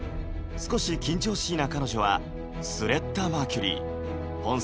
少し緊張しいな彼女は・スレッタ・マーキュリーさん？